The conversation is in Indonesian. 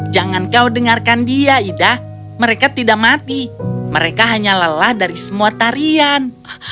jangan kau dengarkan dia ida mereka tidak mati mereka hanya lelah dari semua tarian